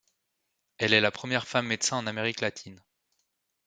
Elle est la première femme médecin en Amérique latine.